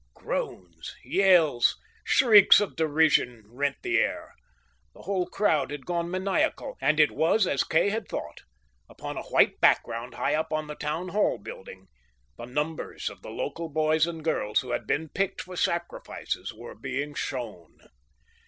Groans, yells, shrieks of derision rent the air. The whole crowd had gone maniacal. And it was as Kay had thought. Upon a white background high up on the town ball building, the numbers of the local boys and girls who had been picked for sacrifices were being shown.